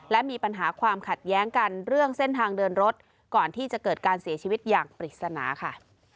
และมีปัญหาความขัดแย้งกันเรื่องเส้นทางเดินรถก่อนที่จะเกิดการเสียชีวิตอย่างปริศนาค่ะ